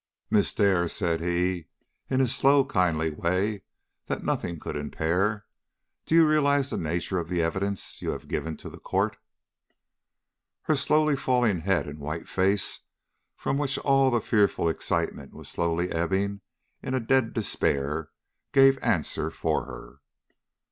"Miss Dare," said he, in his slow, kindly way that nothing could impair, "do you realize the nature of the evidence you have given to the court?" Her slowly falling head and white face, from which all the fearful excitement was slowly ebbing in a dead despair, gave answer for her.